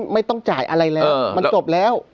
ไม่ต้องจ่ายอะไรแล้วมันจบแล้ว